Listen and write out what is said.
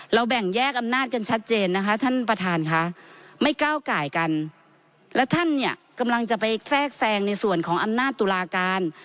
แบ่งแยกอำนาจกันชัดเจนนะคะท่านประธานค่ะไม่ก้าวไก่กันและท่านเนี่ยกำลังจะไปแทรกแซงในส่วนของอำนาจตุลาการ